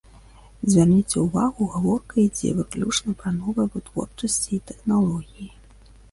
Звярніце ўвагу, гаворка ідзе выключна пра новыя вытворчасці і тэхналогіі.